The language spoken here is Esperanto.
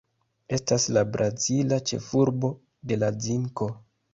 Estas la brazila ĉefurbo de la zinko.